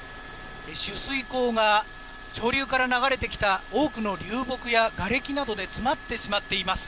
取水口が潮流から流れてきた多くの流木やがれきなどで詰まってしまっています。